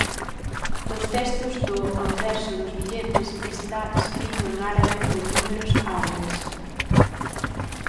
Os textos do anverso dos billetes está escrito en árabe con números árabes.